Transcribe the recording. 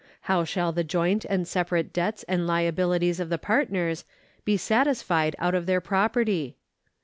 How shall the joint and separate debts and liabilities of the partners be satisfied out of their property?